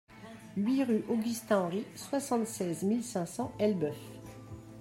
huit rue Augustin Henry, soixante-seize mille cinq cents Elbeuf